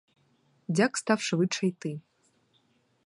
Дяк став швидше йти.